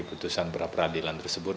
putusan perapradilan tersebut